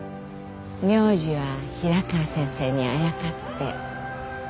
名字は平川先生にあやかって。